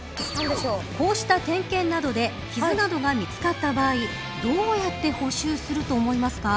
こうした点検などで傷などが見つかった場合どうやって補修すると思いますか。